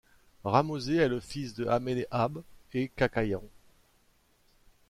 Ramosé est le fils de Amenemhab et Kakaia.